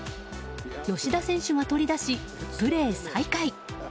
吉田選手が取り出しプレー再開。